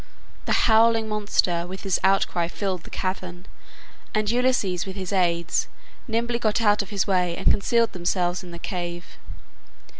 The howling monster with his outcry filled the cavern, and Ulysses with his aids nimbly got out of his way and concealed themselves in the cave.